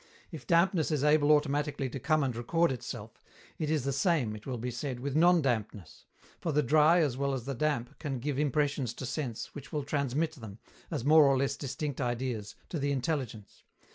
If dampness is able automatically to come and record itself, it is the same, it will be said, with non dampness; for the dry as well as the damp can give impressions to sense, which will transmit them, as more or less distinct ideas, to the intelligence.